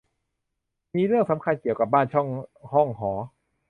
มีเรื่องสำคัญเกี่ยวกับบ้านช่องห้องหอ